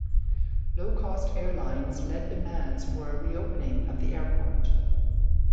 Low-cost airlines led demands for a reopening of the airport.